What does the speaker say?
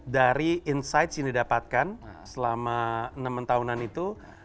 dari insight yang didapatkan selama enam tahunan itu